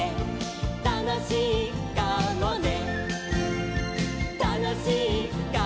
「たのしいかもね」